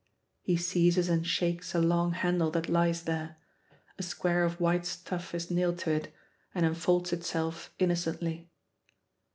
He seizes and shakes a long handle that lies there. A square of white stuff is nailed to it, and unfolds itself innocently.